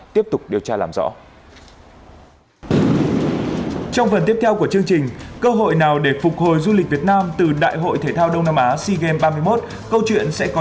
tiếp tục điều tra làm rõ